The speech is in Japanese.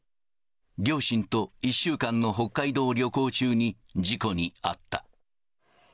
両親と１週間の北海道旅行中に事故に遭った。